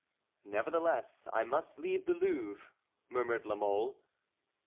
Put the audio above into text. "Nevertheless I must leave the Louvre," murmured La Mole.